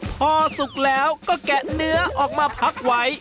พอสุกแล้วก็แกะเนื้อออกมาพักไว้